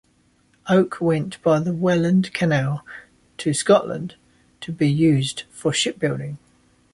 Oak went by the Welland Canal to Scotland to be used for ship building.